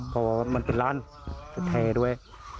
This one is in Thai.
เขาบอกว่ามันเป็นร้านแทรก์ด้วย